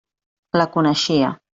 La coneixia.